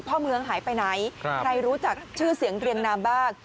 พ่อเมืองหายไปไหนใครรู้จักชื่อเสียงเรียงนามบ้าง